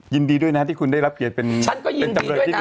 ยินดีด้วยนะที่คุณได้รับเกียรติเป็นจำเลยที่๑